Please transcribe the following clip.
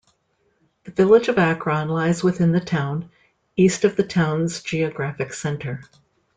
The village of Akron lies within the town, east of the town's geographic center.